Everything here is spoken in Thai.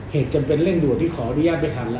เหตุจำเป็นเร่งด่วนที่ขออนุญาตไปบางที